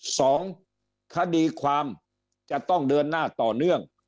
สองคดีความจะต้องเดินหน้าต่อเนื่อง